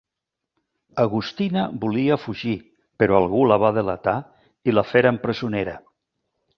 Agustina volia fugir, però algú la va delatar i la feren presonera.